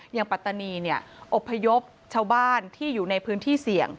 ปัตตานีอบพยพชาวบ้านที่อยู่ในพื้นที่เสี่ยง